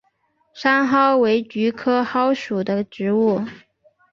山蒿为菊科蒿属的植物。